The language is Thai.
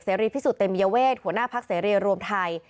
เสรีพิสูจน์เต็มยาเวทหัวหน้าพักเสรียรวมไทย